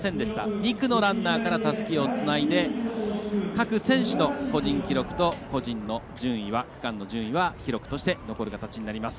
２区のランナーからたすきをつないで各選手の個人の順位は記録として残る形になります。